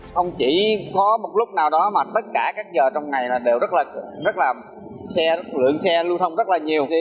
không chỉ có một lúc nào đó mà tất cả các giờ trong ngày đều rất là rất là lượng xe lưu thông rất là nhiều